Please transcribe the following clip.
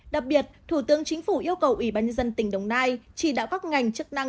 đặc biệt thủ tướng chính phủ yêu cầu ủy ban nhân dân tỉnh đồng nai chỉ đạo các ngành chức năng